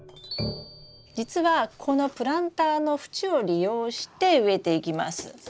実はこのプランターの縁を利用して植えていきます。